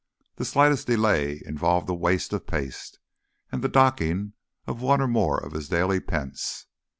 The slightest delay involved a waste of paste and the docking of one or more of his daily pence.